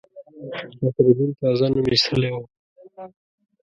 نصرالدین تازه نوم ایستلی وو.